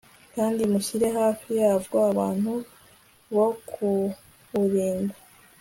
kandi mushyire hafi yabwo abantu bo kuburinda